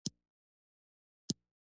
عامې روغتیا وزارت روغتونونه اداره کوي